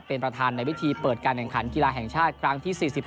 เป็นประธานในพิธีเปิดการแข่งขันกีฬาแห่งชาติครั้งที่๔๕